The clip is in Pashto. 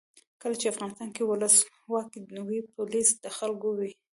کله چې افغانستان کې ولسواکي وي پولیس د خلکو وي.